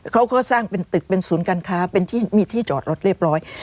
เขาก็สร้างเป็นตึกเป็นศูนย์การค้าเป็นที่มีที่จอดรถเรียบร้อย